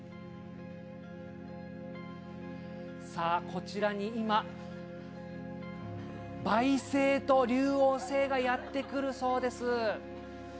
さあ、こちらに今、梅星と竜王星がやって来るそうです。